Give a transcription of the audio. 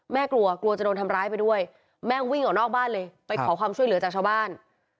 กลัวกลัวจะโดนทำร้ายไปด้วยแม่วิ่งออกนอกบ้านเลยไปขอความช่วยเหลือจากชาวบ้าน